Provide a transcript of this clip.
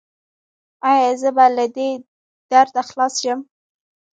ایا زه به له دې درده خلاص شم؟